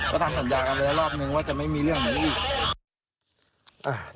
ก็ทำสัญญากันไปแล้วรอบนึงว่าจะไม่มีเรื่องแบบนี้อีก